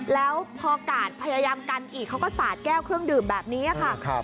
แล้วพอกาดพยายามกันอีกเขาก็สาดแก้วเครื่องดื่มแบบนี้ค่ะ